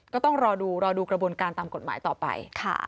ก็ต้องรอดูรอดูกระบวนการตามกฎหมายต่อไป